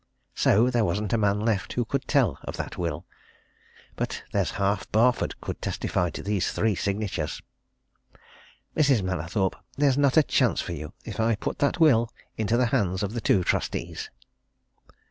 So there wasn't a man left who could tell of that will! But there's half Barford could testify to these three signatures! Mrs. Mallathorpe, there's not a chance for you if I put that will into the hands of the two trustees!"